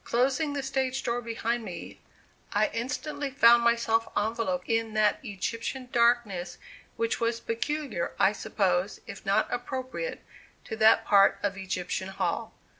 Closing the stage door behind me, I instantly found myself enveloped in that Egyptian darkness which was peculiar, I suppose, if not appropriate, to that part of Egyptian Hall.